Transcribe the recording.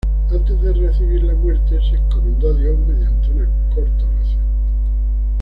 Antes de recibir la muerte, se encomendó a Dios mediante una corta oración.